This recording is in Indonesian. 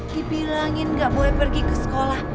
dibilangin gak boleh pergi ke sekolah